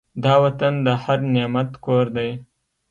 دا وطن د هر نعمت کور دی.